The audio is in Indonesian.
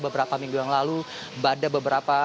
beberapa minggu yang lalu pada beberapa